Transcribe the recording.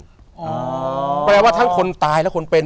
แม้ว่าจริงแสดงว่าทั้งคนตายและคนเป็น